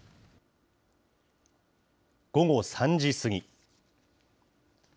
午後３時過ぎ。